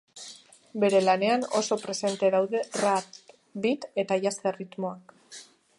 Bere lanean oso presente daude rap, beat eta jazz erritmoak.